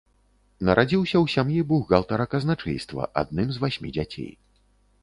Нарадзіўся ў сям'і бухгалтара казначэйства, адным з васьмі дзяцей.